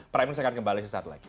prime news akan kembali sesaat lagi